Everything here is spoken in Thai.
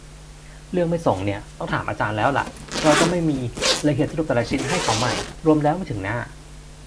เรื่องไม่ส่งนี่ ต้องถามอาจารย์แล้วล่ะ เราก็ไม่มี เลยเขียนสรุปแต่ละชิ้นให้เขาใหม่รวมแล้วไม่ถึงหน้า